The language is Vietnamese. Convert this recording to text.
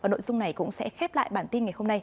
nội dung này cũng sẽ khép lại bản tin ngày hôm nay